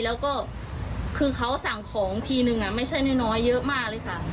แล้วก็คือเขาสั่งของทีนึงไม่ใช่น้อยเยอะมากเลยค่ะ